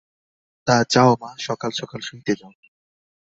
তা, যাও মা, সকাল-সকাল শুইতে যাও।